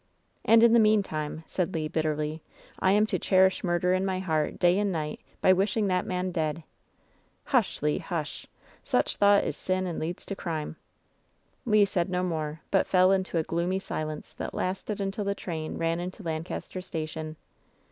"And in the meantime," said Le, bitterly, "I am to cherish murder in my heart day and night by wishing that man dead!" "Hush, Le, hush ! Such thought is sin and leads to crima" Le said no more, but fell into a gloomy silence that lasted until the train ran into Lancaster station.